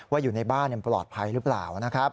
อยู่ในบ้านปลอดภัยหรือเปล่านะครับ